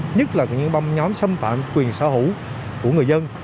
hẹn gặp lại các bạn trong những video tiếp theo